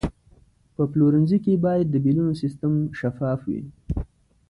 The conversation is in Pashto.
په پلورنځي کې باید د بیلونو سیستم شفاف وي.